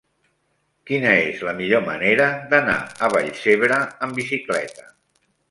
Quina és la millor manera d'anar a Vallcebre amb bicicleta?